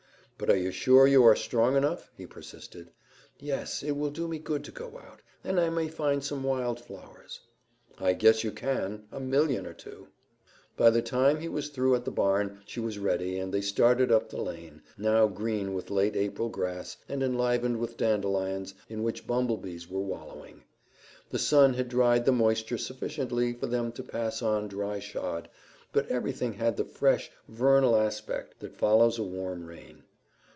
"But are you sure you are strong enough?" he persisted. "Yes, it will do me good to go out, and I may find some wild flowers." "I guess you can, a million or two." By the time he was through at the barn she was ready and they started up the lane, now green with late April grass and enlivened with dandelions in which bumblebees were wallowing. The sun had dried the moisture sufficiently for them to pass on dry shod, but everything had the fresh, vernal aspect that follows a warm rain.